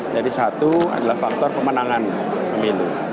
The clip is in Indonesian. jadi satu adalah faktor pemenangan pemilu